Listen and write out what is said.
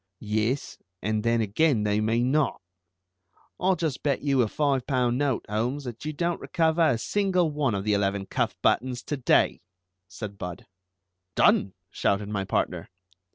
"Yes, and, then, again, they may not. I'll just bet you a five pound note, Holmes, that you don't recover a single one of the eleven cuff buttons to day," said Budd. "Done!" shouted my partner.